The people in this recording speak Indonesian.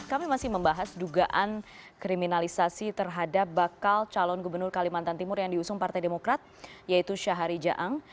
kami masih membahas dugaan kriminalisasi terhadap bakal calon gubernur kalimantan timur yang diusung partai demokrat yaitu syahari jaang